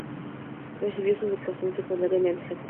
Recibió su educación secundaria en el St.